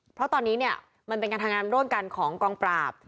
เพราะตอนนี้เนี่ยมันเป็นการทำงานร่วมกันของกองปราบ